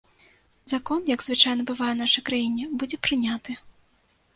Закон, як звычайна бывае ў нашай краіне, будзе прыняты.